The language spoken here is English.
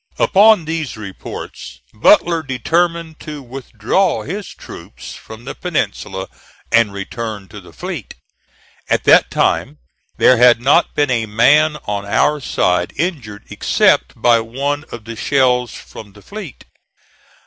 Upon these reports Butler determined to withdraw his troops from the peninsula and return to the fleet. At that time there had not been a man on our side injured except by one of the shells from the fleet.